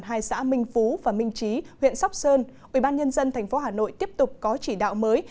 hai xã minh phú và minh trí huyện sóc sơn ubnd tp hà nội tiếp tục có chỉ đạo mới